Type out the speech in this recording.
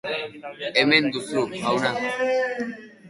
Hemen duzu, jauna.